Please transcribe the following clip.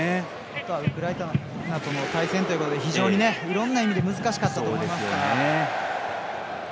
あとはウクライナとの対戦ということでいろんな意味で難しかったと思いますから。